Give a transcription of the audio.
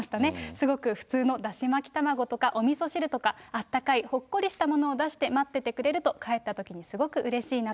すごく普通のだし巻き卵とか、おみそ汁とか、あったかい、ほっこりしたものを出して待っててくれると、帰ったときに、すごくうれしいなって。